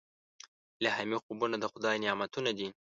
الهامي خوبونه د خدای نعمتونه دي.